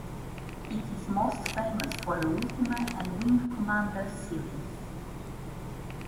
It is most famous for the "Ultima" and "Wing Commander" series.